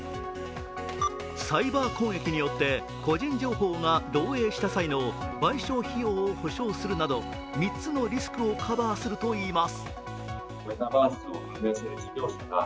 サイバー攻撃によって個人情報が漏えいした際の賠償費用を補償するなど３つのリスクをカバーするといいます。